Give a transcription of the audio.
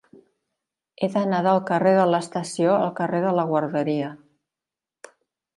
He d'anar del carrer de l'Estació al carrer de la Guarderia.